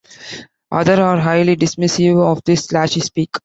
Others are highly dismissive of this slashy speak.